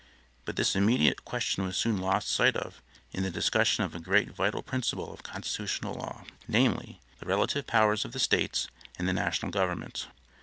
But this immediate question was soon lost sight of in the discussion of a great vital principle of constitutional law, namely: The relative powers of the States and the national government.